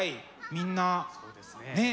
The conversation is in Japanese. みんなねっ。